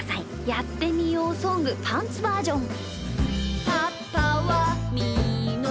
「やってみようソングパンツバージョン」。